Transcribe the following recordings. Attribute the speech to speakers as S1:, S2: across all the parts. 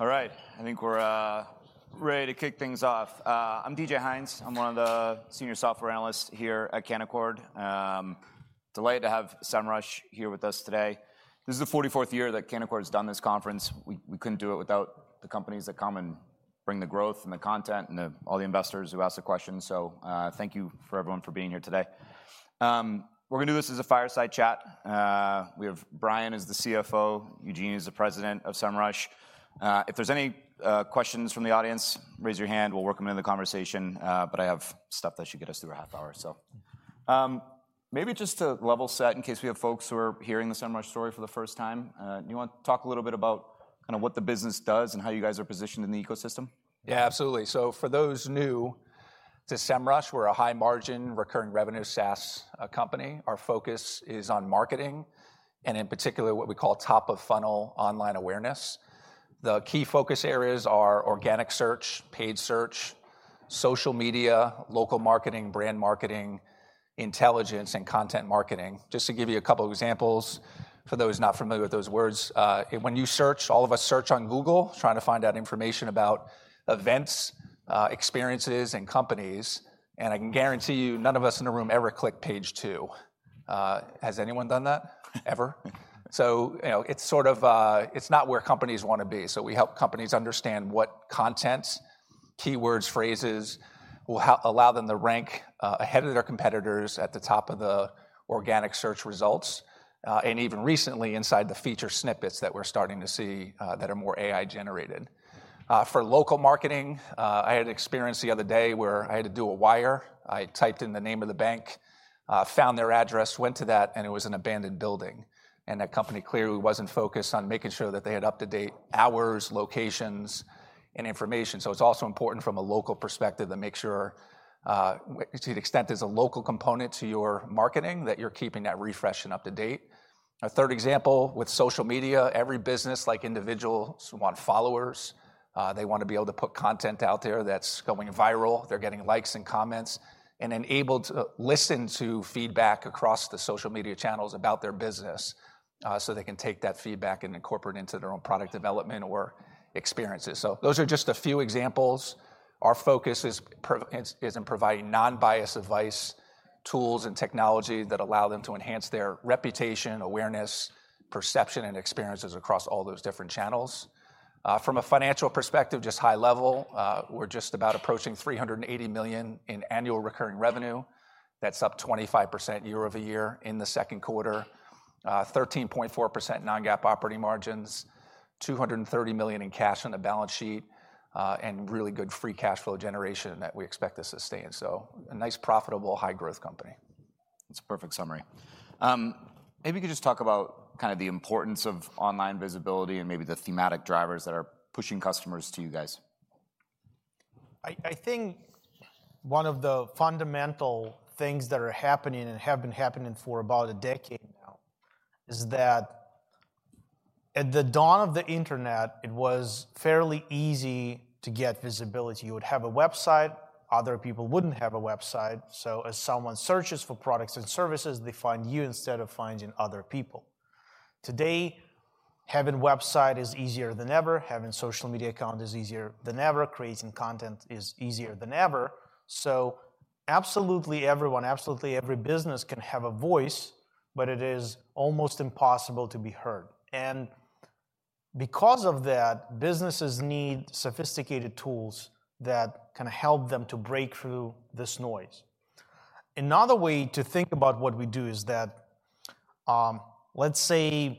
S1: All right, I think we're ready to kick things off. I'm DJ Hynes. I'm one of the senior software analysts here at Canaccord. Delighted to have Semrush here with us today. This is the 44th year that Canaccord's done this conference. We couldn't do it without the companies that come and bring the growth and all the investors who ask the questions. So, thank you to everyone for being here today. We're gonna do this as a fireside chat. We have Brian is the CFO, Eugene is the President of Semrush. If there's any questions from the audience, raise your hand, we'll work them into the conversation, but I have stuff that should get us through a half hour or so. Maybe just to level set, in case we have folks who are hearing the Semrush story for the first time, do you want to talk a little bit about kind of what the business does and how you guys are positioned in the ecosystem?
S2: Yeah, absolutely. For those new to Semrush, we're a high-margin, recurring revenue SaaS company. Our focus is on marketing, and in particular, what we call top-of-funnel online awareness. The key focus areas are organic search, paid search, social media, local marketing, brand marketing, intelligence, and content marketing. Just to give you a couple examples, for those not familiar with those words, when you search, all of us search on Google, trying to find out information about events, experiences, and companies, and I can guarantee you, none of us in the room ever click page two. Has anyone done that, ever? You know, it's sort of, it's not where companies want to be. So we help companies understand what contents, keywords, phrases, will allow them to rank ahead of their competitors at the top of the organic search results, and even recently, inside the Featured Snippets that we're starting to see, that are more AI-generated. For local marketing, I had an experience the other day where I had to do a wire. I typed in the name of the bank, found their address, went to that, and it was an abandoned building, and that company clearly wasn't focused on making sure that they had up-to-date hours, locations, and information. So it's also important from a local perspective to make sure, to the extent there's a local component to your marketing, that you're keeping that refreshed and up to date. A third example, with social media, every business, like individuals, want followers. They want to be able to put content out there that's going viral. They're getting likes and comments, and then able to listen to feedback across the social media channels about their business, so they can take that feedback and incorporate it into their own product development or experiences. So those are just a few examples. Our focus is in providing non-biased advice, tools, and technology that allow them to enhance their reputation, awareness, perception, and experiences across all those different channels. From a financial perspective, just high level, we're just about approaching $380 million in annual recurring revenue. That's up 25% year-over-year in the second quarter. 13.4% non-GAAP operating margins, $230 million in cash on the balance sheet, and really good free cash flow generation that we expect to sustain. So a nice, profitable, high-growth company.
S1: That's a perfect summary. Maybe you could just talk about kind of the importance of online visibility and maybe the thematic drivers that are pushing customers to you guys.
S3: I, I think one of the fundamental things that are happening, and have been happening for about a decade now, is that at the dawn of the internet, it was fairly easy to get visibility. You would have a website, other people wouldn't have a website, so as someone searches for products and services, they find you instead of finding other people. Today, having website is easier than ever, having social media account is easier than ever, creating content is easier than ever. So absolutely everyone, absolutely every business can have a voice, but it is almost impossible to be heard, and because of that, businesses need sophisticated tools that can help them to break through this noise. Another way to think about what we do is that, let's say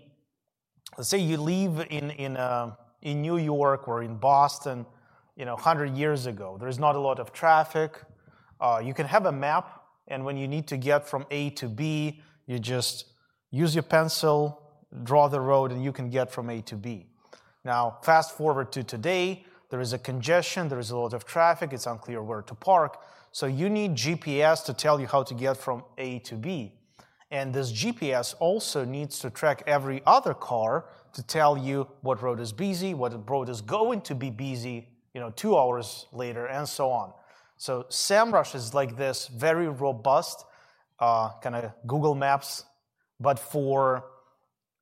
S3: you live in New York or in Boston, you know, 100 years ago. There is not a lot of traffic. You can have a map, and when you need to get from A to B, you just use your pencil, draw the road, and you can get from A to B. Now, fast-forward to today, there is a congestion, there is a lot of traffic, it's unclear where to park, so you need GPS to tell you how to get from A to B. And this GPS also needs to track every other car to tell you what road is busy, what road is going to be busy, you know, two hours later, and so on. So Semrush is like this very robust, kind of Google Maps, but for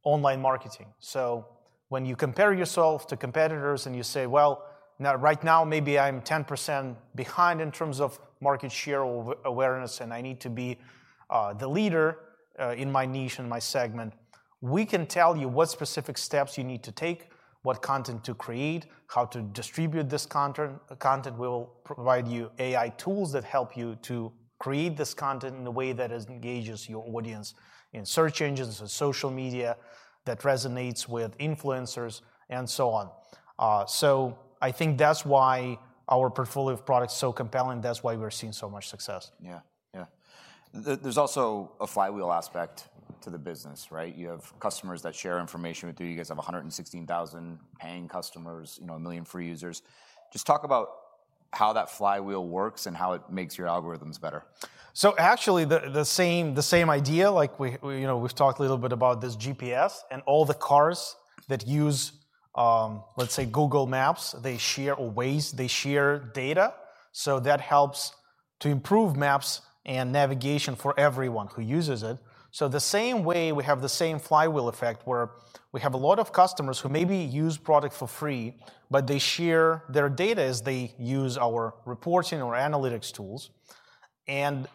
S3: online marketing. So when you compare yourself to competitors, and you say: Well, now, right now, maybe I'm 10% behind in terms of market share or awareness, and I need to be the leader in my niche and my segment, we can tell you what specific steps you need to take, what content to create, how to distribute this content. Content will provide you AI tools that help you to create this content in a way that it engages your audience in search engines and social media, that resonates with influencers, and so on. So I think that's why our portfolio of products is so compelling. That's why we're seeing so much success.
S1: Yeah, yeah. There, there's also a flywheel aspect to the business, right? You have customers that share information with you. You guys have 116,000 paying customers, you know, 1 million free users. Just talk about how that flywheel works and how it makes your algorithms better.
S3: So actually, the same idea, like we, you know, we've talked a little bit about this GPS and all the cars that use, let's say Google Maps, they share or Waze, they share data, so that helps to improve maps and navigation for everyone who uses it. So the same way, we have the same flywheel effect, where we have a lot of customers who maybe use product for free, but they share their data as they use our reporting or analytics tools. And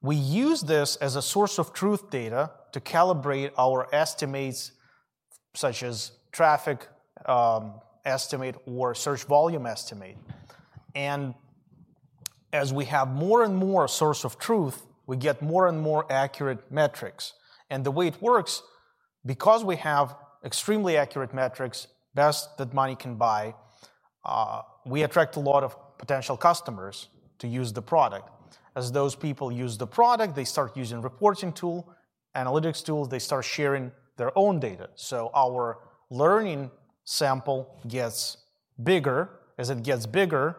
S3: we use this as a source of truth data to calibrate our estimates, such as traffic estimate or search volume estimate. And as we have more and more source of truth, we get more and more accurate metrics. The way it works, because we have extremely accurate metrics, best that money can buy, we attract a lot of potential customers to use the product. As those people use the product, they start using reporting tool, analytics tool, they start sharing their own data. So our learning sample gets bigger. As it gets bigger,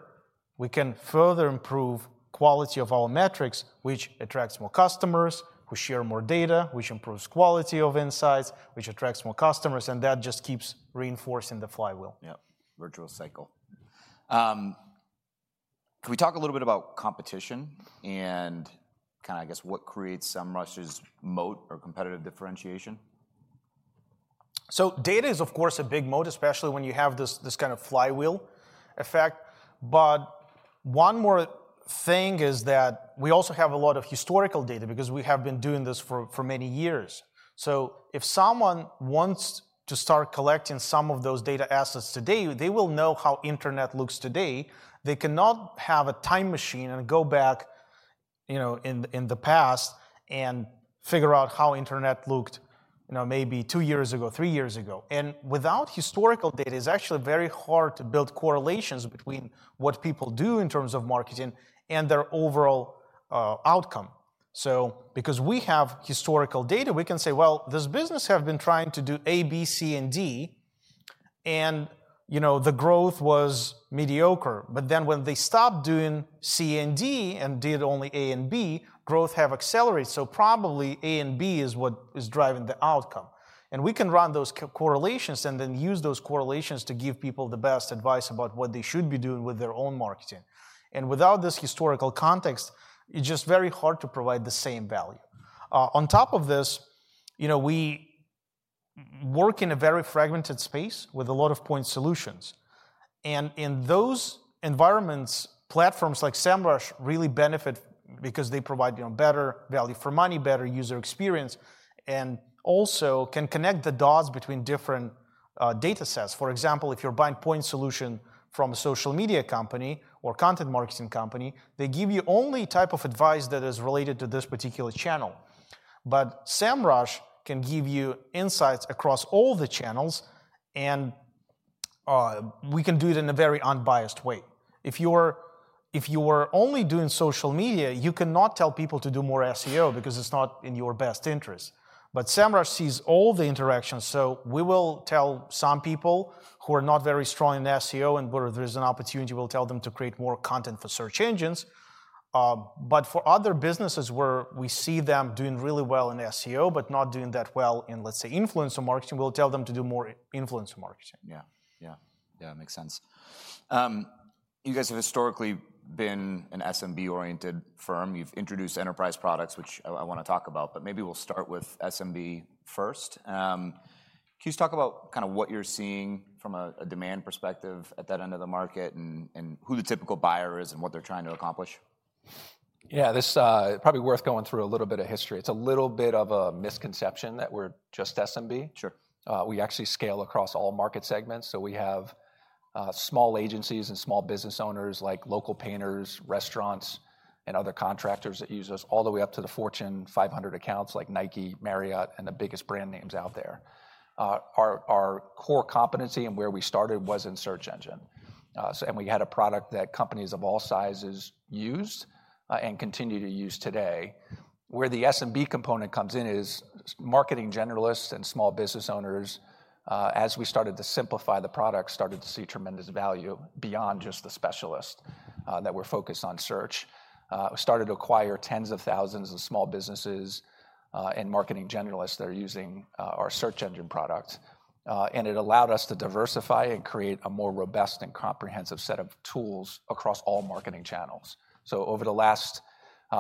S3: we can further improve quality of our metrics, which attracts more customers, who share more data, which improves quality of insights, which attracts more customers, and that just keeps reinforcing the flywheel.
S1: Yep, virtual cycle. Can we talk a little bit about competition and kind of, I guess, what creates Semrush's moat or competitive differentiation?
S3: So data is, of course, a big moat, especially when you have this, this kind of flywheel effect. But one more thing is that we also have a lot of historical data because we have been doing this for, for many years. So if someone wants to start collecting some of those data assets today, they will know how internet looks today. They cannot have a time machine and go back, you know, in the, in the past and figure out how internet looked, you know, maybe two years ago, three years ago. And without historical data, it's actually very hard to build correlations between what people do in terms of marketing and their overall outcome. So because we have historical data, we can say: Well, this business have been trying to do A, B, C, and D, and, you know, the growth was mediocre. But then, when they stopped doing C and D, and did only A and B, growth have accelerated, so probably A and B is what is driving the outcome. We can run those correlations and then use those correlations to give people the best advice about what they should be doing with their own marketing. Without this historical context, it's just very hard to provide the same value. On top of this, you know, we work in a very fragmented space with a lot of point solutions. In those environments, platforms like Semrush really benefit because they provide, you know, better value for money, better user experience, and also can connect the dots between different, datasets. For example, if you're buying point solution from a social media company or content marketing company, they give you only type of advice that is related to this particular channel. But Semrush can give you insights across all the channels, and we can do it in a very unbiased way. If you are only doing social media, you cannot tell people to do more SEO because it's not in your best interest. But Semrush sees all the interactions, so we will tell some people who are not very strong in SEO and where there's an opportunity, we'll tell them to create more content for search engines. But for other businesses where we see them doing really well in SEO, but not doing that well in, let's say, influencer marketing, we'll tell them to do more influencer marketing.
S1: Yeah. Yeah. Yeah, makes sense. You guys have historically been an SMB-oriented firm. You've introduced enterprise products, which I, I wanna talk about, but maybe we'll start with SMB first. Can you just talk about kind of what you're seeing from a demand perspective at that end of the market, and who the typical buyer is, and what they're trying to accomplish?
S2: Yeah, this, probably worth going through a little bit of history. It's a little bit of a misconception that we're just SMB.
S1: Sure.
S2: We actually scale across all market segments, so we have small agencies and small business owners, like local painters, restaurants, and other contractors that use us, all the way up to the Fortune 500 accounts like Nike, Marriott, and the biggest brand names out there. Our core competency and where we started was in search engine. So, we had a product that companies of all sizes used and continue to use today. Where the SMB component comes in is marketing generalists and small business owners, as we started to simplify the product, started to see tremendous value beyond just the specialist that were focused on search. We started to acquire tens of thousands of small businesses and marketing generalists that are using our search engine product. And it allowed us to diversify and create a more robust and comprehensive set of tools across all marketing channels. So over the last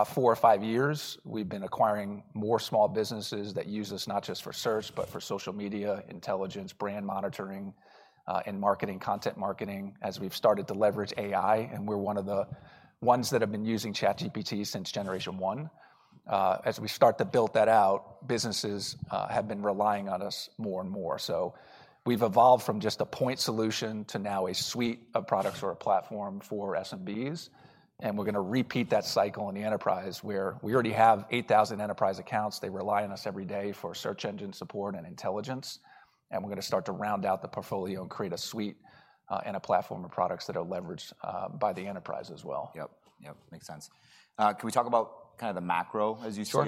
S2: four or five years, we've been acquiring more small businesses that use us not just for search, but for social media, intelligence, brand monitoring, and marketing, content marketing, as we've started to leverage AI, and we're one of the ones that have been using ChatGPT since generation one. As we start to build that out, businesses have been relying on us more and more. So we've evolved from just a point solution to now a suite of products or a platform for SMBs, and we're gonna repeat that cycle in the enterprise, where we already have 8,000 enterprise accounts. They rely on us every day for search engine support and intelligence, and we're gonna start to round out the portfolio and create a suite, and a platform of products that are leveraged by the enterprise as well.
S1: Yep, yep, makes sense. Can we talk about kind of the macro as you see it-
S2: Sure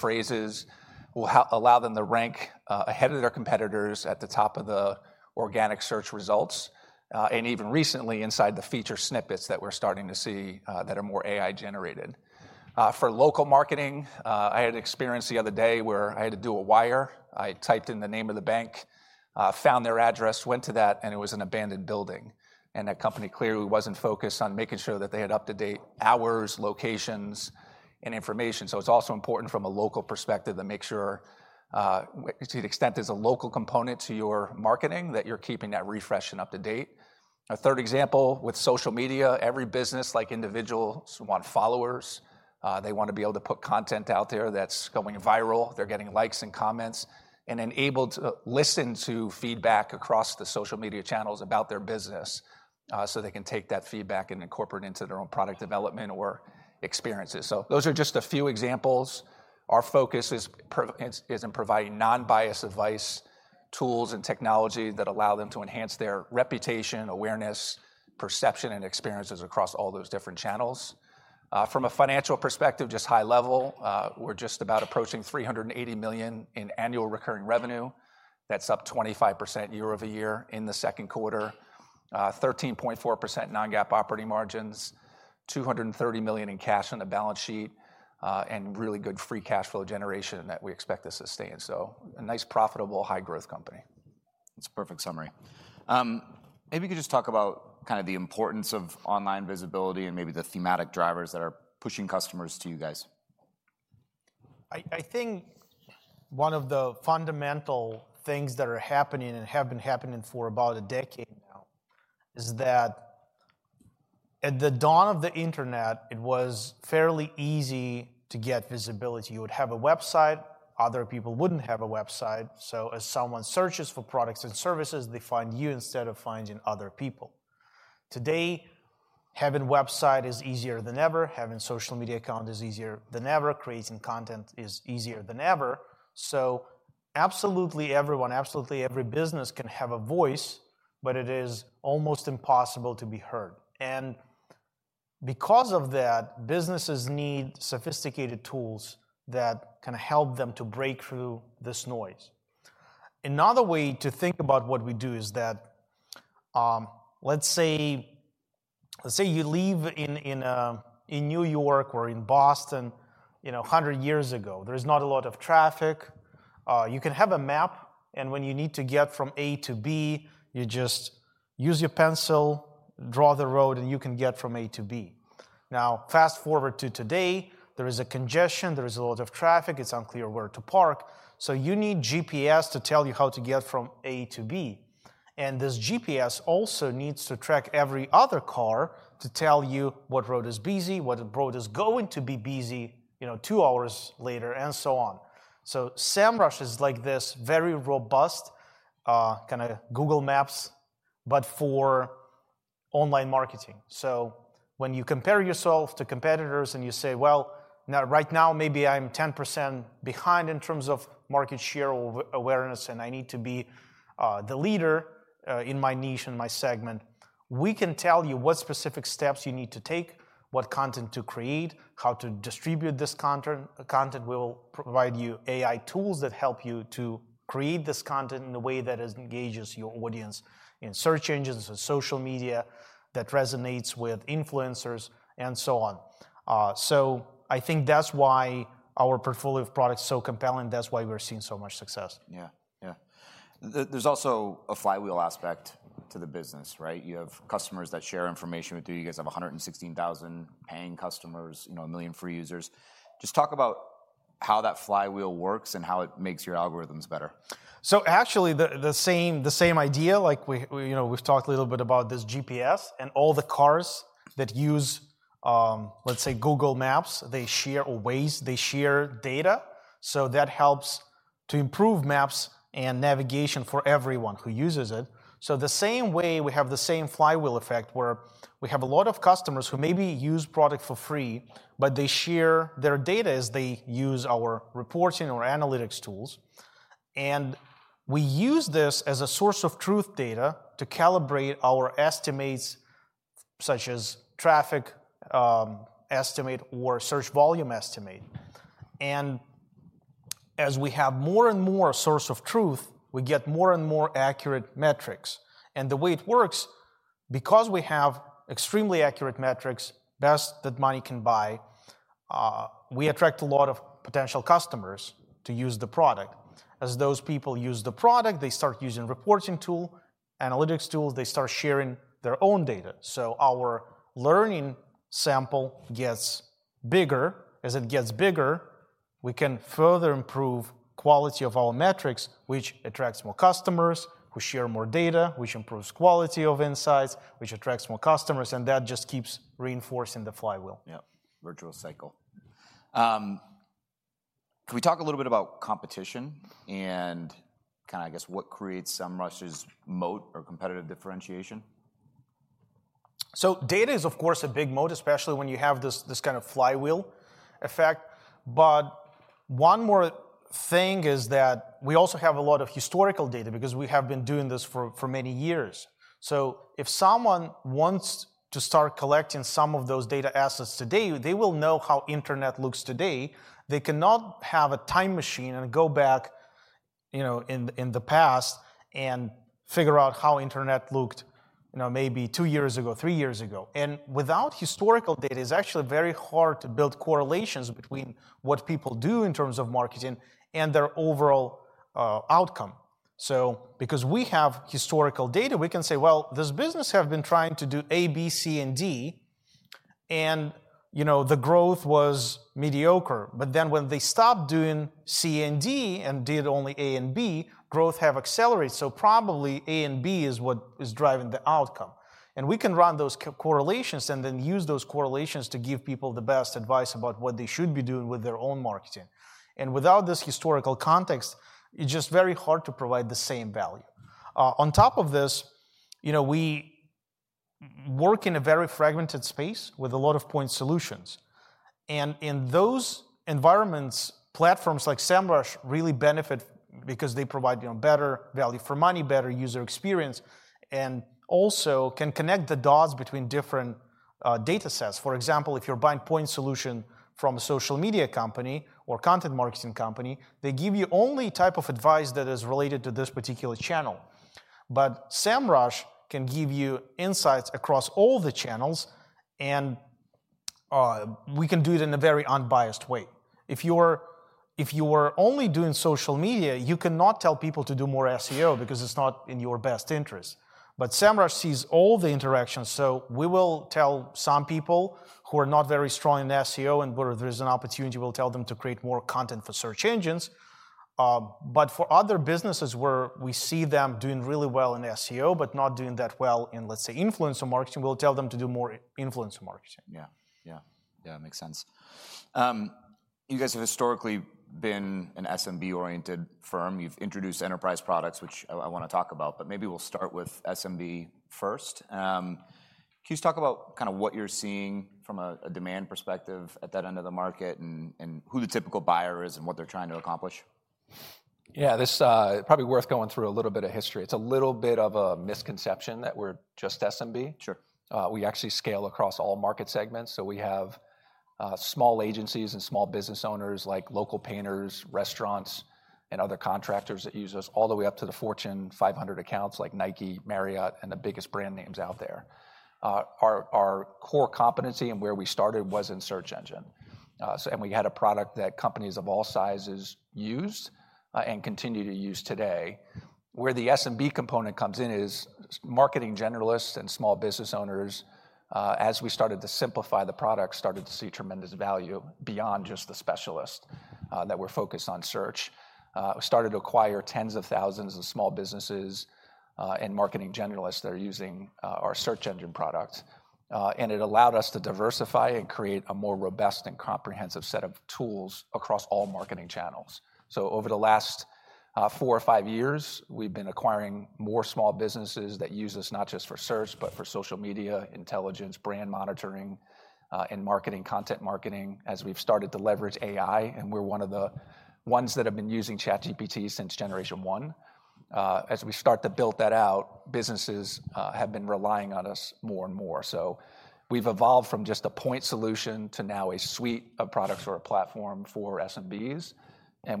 S1: as it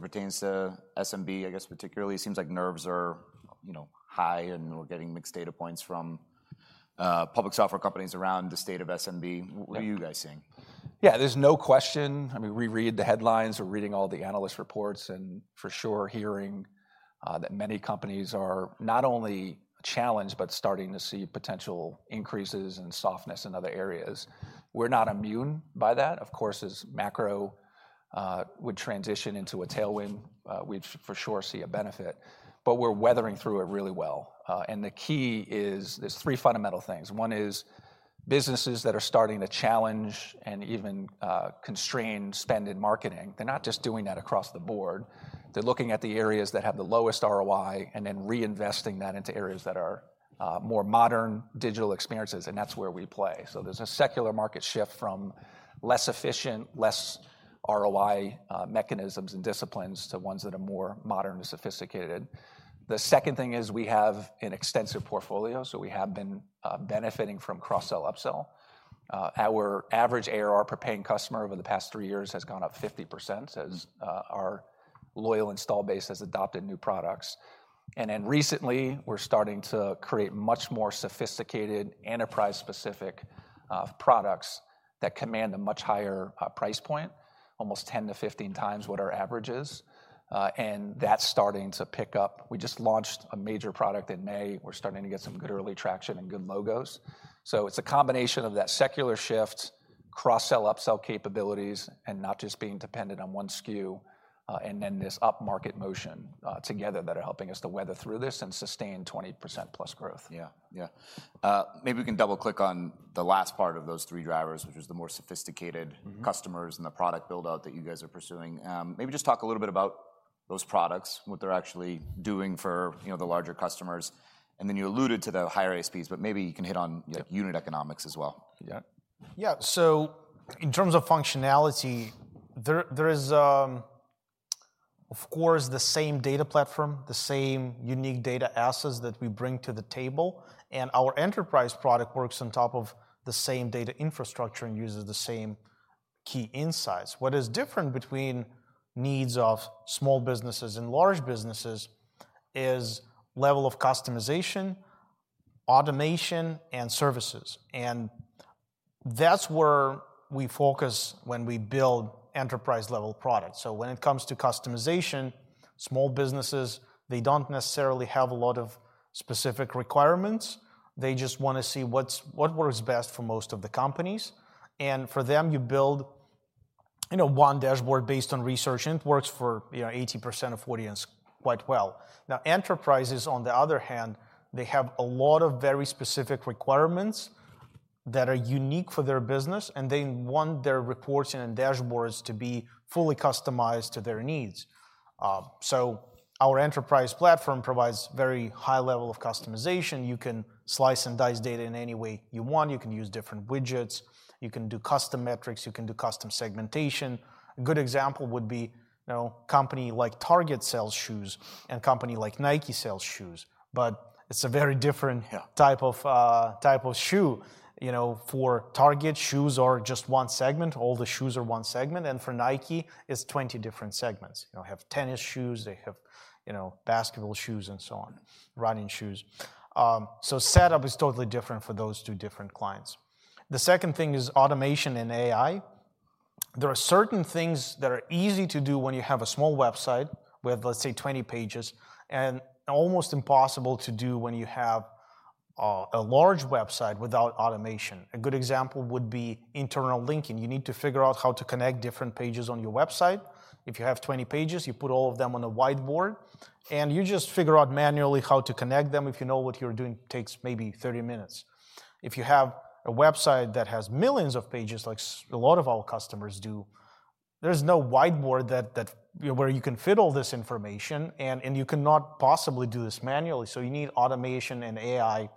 S1: pertains to SMB, I guess, particularly? It seems like nerves are, you know, high, and we're getting mixed data points from public software companies around the state of SMB. What are you guys seeing?
S3: Yeah, there's no question. I mean, we read the headlines, we're reading all the analyst reports, and for sure, hearing that many companies are not only challenged, but starting to see potential increases and softness in other areas. We're not immune by that. Of course, as macro would transition into a tailwind, we'd for sure see a benefit, but we're weathering through it really well. And the key is, there's three fundamental things. One is, businesses that are starting to challenge and even constrain spend in marketing. They're not just doing that across the board. They're looking at the areas that have the lowest ROI, and then reinvesting that into areas that are more modern digital experiences, and that's where we play. So there's a secular market shift from less efficient, less ROI, mechanisms and disciplines, to ones that are more modern and sophisticated. The second thing is we have an extensive portfolio, so we have been, benefiting from cross-sell, upsell. Our average ARR per paying customer over the past three years has gone up 50%, as, our loyal install base has adopted new products. And then recently, we're starting to create much more sophisticated, enterprise-specific, products that command a much higher, price point, almost 10-15 times what our average is. And that's starting to pick up. We just launched a major product in May. We're starting to get some good early traction and good logos. So it's a combination of that secular shift, cross-sell, upsell capabilities, and not just being dependent on one SKU, and then this upmarket motion, together, that are helping us to weather through this and sustain 20%+ growth.
S1: Yeah. Yeah. Maybe we can double-click on the last part of those three drivers, which is the more sophisticated-
S3: Mm-hmm.
S1: -customers and the product build-out that you guys are pursuing. Maybe just talk a little bit about those products, what they're actually doing for, you know, the larger customers, and then you alluded to the higher ASPs, but maybe you can hit on-
S3: Yeah...
S1: unit economics as well.
S3: Yeah. Yeah, so in terms of functionality, there is, of course, the same data platform, the same unique data assets that we bring to the table, and our enterprise product works on top of the same data infrastructure and uses the same key insights. What is different between needs of small businesses and large businesses is level of customization, automation, and services, and that's where we focus when we build enterprise-level products. So when it comes to customization, small businesses, they don't necessarily have a lot of specific requirements. They just wanna see what works best for most of the companies, and for them, you build, you know, one dashboard based on research, and it works for, you know, 80% of audience quite well. Now, enterprises, on the other hand, they have a lot of very specific requirements that are unique for their business, and they want their reports and dashboards to be fully customized to their needs. So our enterprise platform provides very high level of customization. You can slice and dice data in any way you want. You can use different widgets. You can do custom metrics. You can do custom segmentation. A good example would be, you know, company like Target sells shoes, and company like Nike sells shoes, but it's a very different-
S1: Yeah...
S3: type of type of shoe. You know, for Target, shoes are just one segment. All the shoes are one segment, and for Nike, it's 20 different segments. You know, have tennis shoes, they have, you know, basketball shoes, and so on, running shoes. So setup is totally different for those two different clients. The second thing is automation and AI. There are certain things that are easy to do when you have a small website with, let's say, 20 pages, and almost impossible to do when you have a large website without automation. A good example would be internal linking. You need to figure out how to connect different pages on your website. If you have 20 pages, you put all of them on a whiteboard, and you just figure out manually how to connect them. If you know what you're doing, takes maybe 30 minutes. If you have a website that has millions of pages, like a lot of our customers do, there's no whiteboard where you can fit all this information, and you cannot possibly do this manually. So you need automation and AI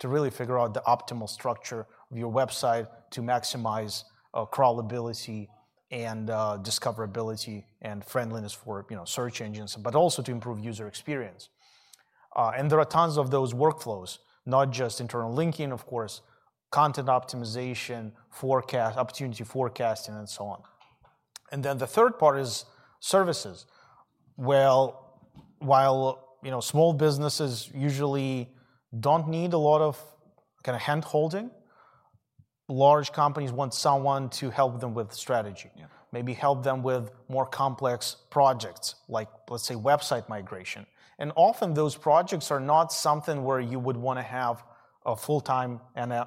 S3: to really figure out the optimal structure of your website to maximize crawlability and discoverability and friendliness for, you know, search engines, but also to improve user experience. And there are tons of those workflows, not just internal linking, of course, content optimization, forecast, opportunity forecasting, and so on. And then the third part is services. Well, while you know, small businesses usually don't need a lot of kind of handholding, large companies want someone to help them with strategy.
S1: Yeah.
S3: Maybe help them with more complex projects, like, let's say, website migration. Often, those projects are not something where you would wanna have a full-time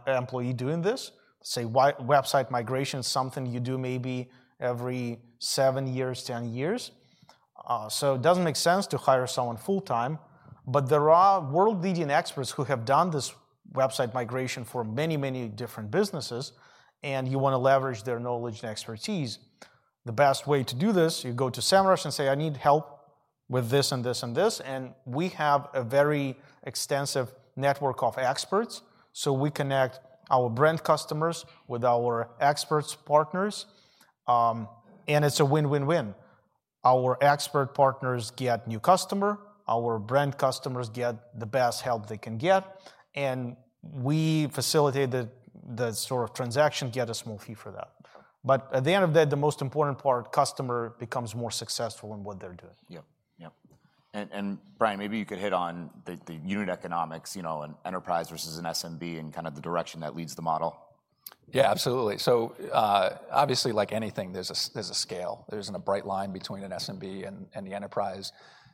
S3: employee doing this. Say, website migration is something you do maybe every seven years, 10 years. So it doesn't make sense to hire someone full-time, but there are world-leading experts who have done this website migration for many, many different businesses, and you wanna leverage their knowledge and expertise. The best way to do this, you go to Semrush and say, "I need help with this, and this, and this," and we have a very extensive network of experts, so we connect our brand customers with our experts partners. And it's a win-win-win. Our expert partners get new customer, our brand customers get the best help they can get, and we facilitate the sort of transaction, get a small fee for that. But at the end of the day, the most important part, customer becomes more successful in what they're doing.
S1: Yeah. Yeah. And Brian, maybe you could hit on the unit economics, you know, an enterprise versus an SMB, and kind of the direction that leads the model.
S2: Yeah, absolutely. So, obviously, like anything, there's a scale. There isn't a bright line between an SMB and the enterprise.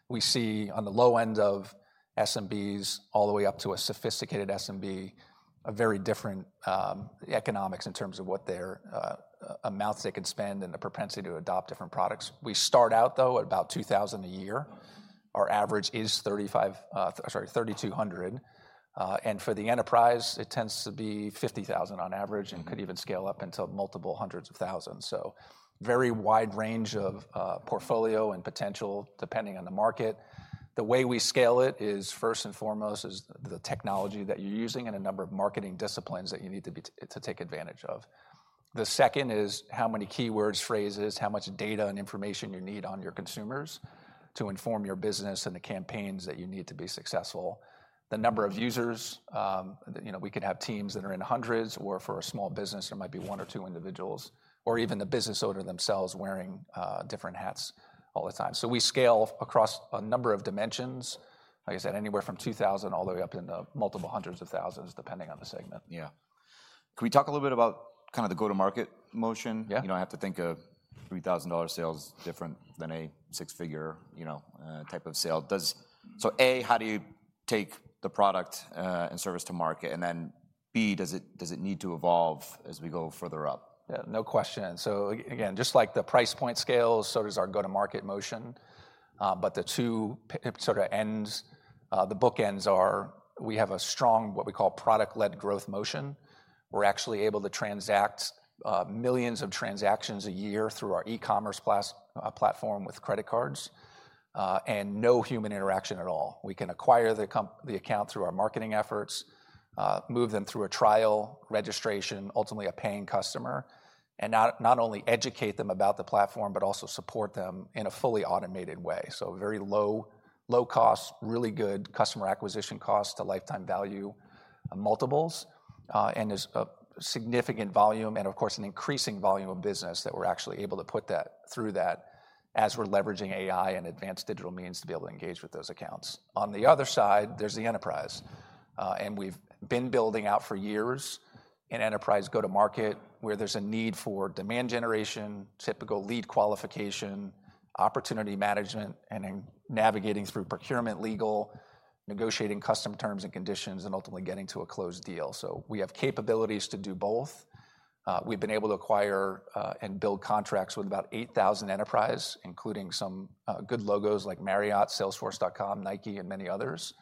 S2: We see on the low end of SMBs, all the way up to a sophisticated SMB, a very different economics in terms of what their amounts they can spend and the propensity to adopt different products. We start out, though, at about $2,000 a year. Our average is $3,200, and for the enterprise, it tends to be $50,000 on average, and could even scale up into multiple hundreds of thousands. So very wide range of portfolio and potential, depending on the market. The way we scale it is, first and foremost, the technology that you're using and a number of marketing disciplines that you need to be, to take advantage of. The second is how many keywords, phrases, how much data and information you need on your consumers to inform your business and the campaigns that you need to be successful. The number of users, you know, we could have teams that are in hundreds, or for a small business, there might be one or two individuals, or even the business owner themselves wearing different hats all the time. So we scale across a number of dimensions. Like I said, anywhere from 2,000 all the way up into multiple hundreds of thousands, depending on the segment.
S1: Yeah. Can we talk a little bit about kind of the go-to-market motion?
S2: Yeah.
S1: You know, I have to think of $3,000 sales different than a six-figure, you know, type of sale. So, A, how do you take the product and service to market? And then, B, does it, does it need to evolve as we go further up?
S2: Yeah, no question. So again, just like the price point scale, so does our go-to-market motion. But the two sort of ends, the bookends are, we have a strong, what we call, product-led growth motion. We're actually able to transact millions of transactions a year through our e-commerce platform with credit cards, and no human interaction at all. We can acquire the account through our marketing efforts, move them through a trial, registration, ultimately a paying customer, and not only educate them about the platform, but also support them in a fully automated way. So very low, low cost, really good customer acquisition cost to lifetime value multiples, and is a significant volume, and of course, an increasing volume of business that we're actually able to put that through that as we're leveraging AI and advanced digital means to be able to engage with those accounts. On the other side, there's the enterprise, and we've been building out for years an enterprise go-to-market, where there's a need for demand generation, typical lead qualification, opportunity management, and then navigating through procurement, legal, negotiating custom terms and conditions, and ultimately getting to a closed deal. So we have capabilities to do both. We've been able to acquire and build contracts with about 8,000 enterprise, including some good logos like Marriott, Salesforce.com, Nike, and many others.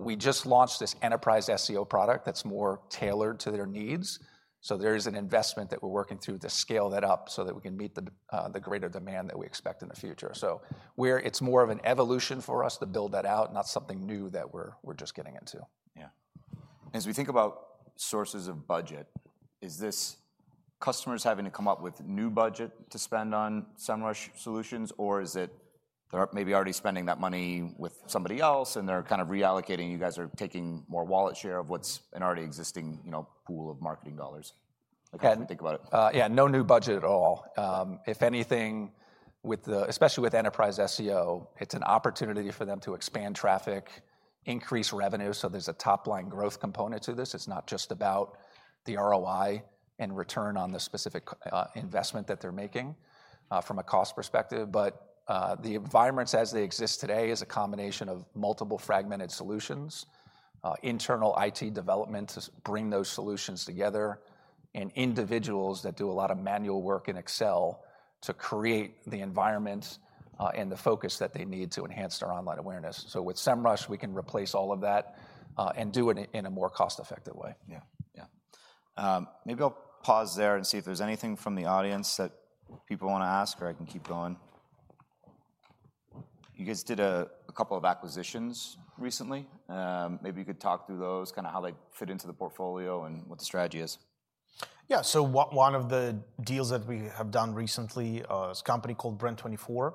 S2: We just launched this enterprise SEO product that's more tailored to their needs, so there is an investment that we're working through to scale that up so that we can meet the greater demand that we expect in the future. So it's more of an evolution for us to build that out, not something new that we're just getting into.
S1: Yeah. As we think about sources of budget, is this customers having to come up with new budget to spend on Semrush solutions, or is it they're maybe already spending that money with somebody else, and they're kind of reallocating, you guys are taking more wallet share of what's an already existing, you know, pool of marketing dollars? Like, how do you think about it?
S2: Yeah, no new budget at all. If anything, with the... Especially with enterprise SEO, it's an opportunity for them to expand traffic, increase revenue, so there's a top-line growth component to this. It's not just about the ROI and return on the specific investment that they're making from a cost perspective. But the environments as they exist today is a combination of multiple fragmented solutions, internal IT development to bring those solutions together, and individuals that do a lot of manual work in Excel to create the environment and the focus that they need to enhance their online awareness. So with Semrush, we can replace all of that and do it in a more cost-effective way.
S1: Yeah. Yeah. Maybe I'll pause there and see if there's anything from the audience that people wanna ask, or I can keep going. You guys did a, a couple of acquisitions recently. Maybe you could talk through those, kinda how they fit into the portfolio and what the strategy is.
S3: Yeah. So one of the deals that we have done recently is a company called Brand24.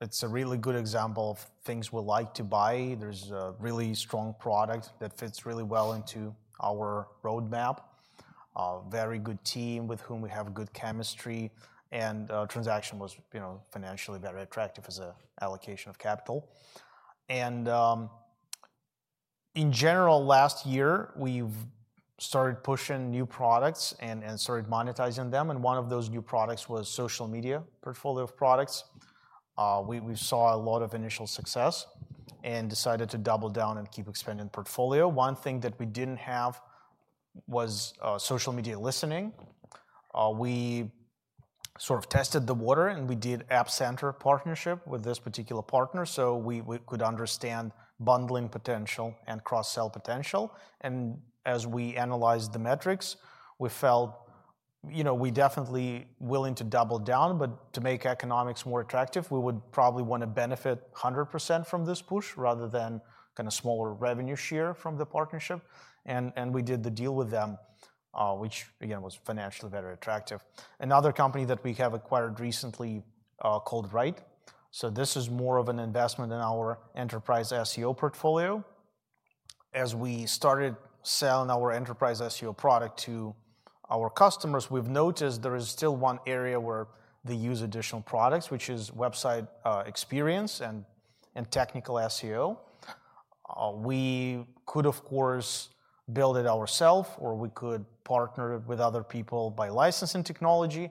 S3: It's a really good example of things we like to buy. There's a really strong product that fits really well into our roadmap. Very good team with whom we have good chemistry, and transaction was, you know, financially very attractive as a allocation of capital. And in general, last year, we've started pushing new products and started monetizing them, and one of those new products was social media portfolio of products. We saw a lot of initial success and decided to double down and keep expanding the portfolio. One thing that we didn't have was social media listening. We sort of tested the water, and we did App Center partnership with this particular partner, so we could understand bundling potential and cross-sell potential. And as we analyzed the metrics, we felt, you know, we definitely willing to double down, but to make economics more attractive, we would probably wanna benefit 100% from this push, rather than kind of smaller revenue share from the partnership. And we did the deal with them, which again, was financially very attractive. Another company that we have acquired recently, called Ryte. So this is more of an investment in our enterprise SEO portfolio as we started selling our enterprise SEO product to our customers, we've noticed there is still one area where they use additional products, which is website experience, and technical SEO. We could, of course, build it ourself, or we could partner with other people by licensing technology.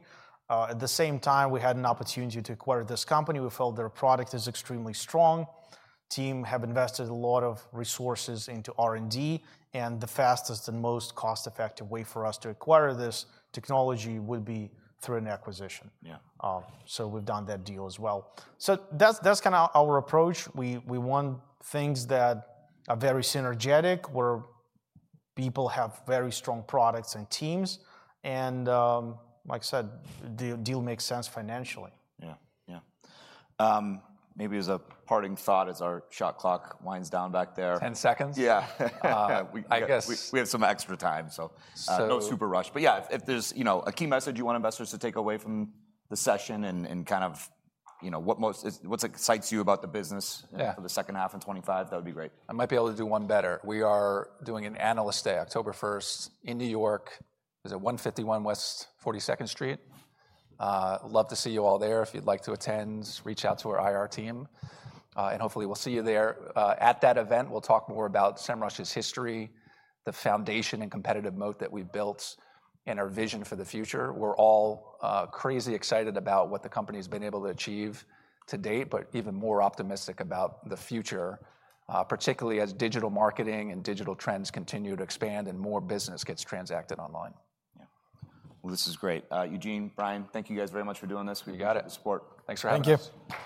S3: At the same time, we had an opportunity to acquire this company. We felt their product is extremely strong. Team have invested a lot of resources into R&D, and the fastest and most cost-effective way for us to acquire this technology would be through an acquisition.
S2: Yeah.
S3: So we've done that deal as well. So that's kinda our approach. We want things that are very synergetic, where people have very strong products and teams, and like I said, deal makes sense financially.
S2: Yeah. Yeah. Maybe as a parting thought, as our shot clock winds down back there-
S3: Ten seconds?
S2: Yeah.
S3: I guess-
S2: We have some extra time, so-
S3: Uh-
S2: So no super rush. But yeah, if there's, you know, a key message you want investors to take away from the session and kind of, you know, what excites you about the business-
S3: Yeah...
S2: for the second half in 2025, that would be great. I might be able to do one better. We are doing an analyst day, October 1st, in New York. It's at 151 West 42nd Street. Love to see you all there. If you'd like to attend, reach out to our IR team, and hopefully we'll see you there. At that event, we'll talk more about Semrush's history, the foundation and competitive moat that we've built, and our vision for the future. We're all crazy excited about what the company's been able to achieve to date, but even more optimistic about the future, particularly as digital marketing and digital trends continue to expand and more business gets transacted online.
S1: Yeah. Well, this is great. Eugene, Brian, thank you guys very much for doing this.
S2: You got it.
S1: The support. Thanks for having us.
S3: Thank you.